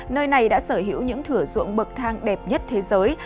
nơi này đã sở hữu những thửa ruộng bậc thang đẹp nhất thế giới